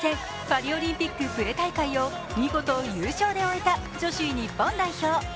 パリオリンピックプレ大会を見事、優勝で終えた女子日本代表。